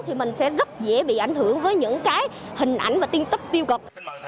thì mình sẽ rất dễ bị ảnh hưởng với những cái hình ảnh và tin tức tiêu cực